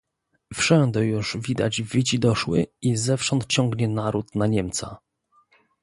"Wszędy już widać wici doszły, i zewsząd ciągnie naród na Niemca."